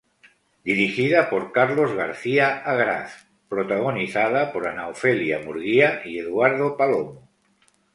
Dirigida por Carlos García Agraz, protagonizada por Ana Ofelia Murguía y Eduardo Palomo.